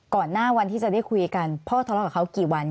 ก่อนหน้าวันที่จะได้คุยกันพ่อทะเลาะกับเขากี่วัน